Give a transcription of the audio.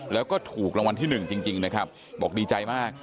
แล้วก็ถูกรางวัลที่หนึ่งจริงนะครับบอกดีใจมาก